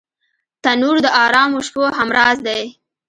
تنور د ارامو شپو همراز دی